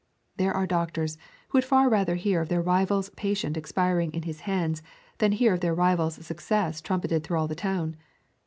There are doctors who would far rather hear of their rival's patient expiring in his hands than hear their rival's success trumpeted through all the town.